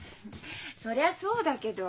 そりゃそうだけど。